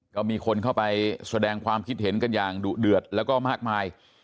ก็มีคนเข้าไปแสดงความคิดเห็นกันอย่างดุเดือดแล้วก็มากมาย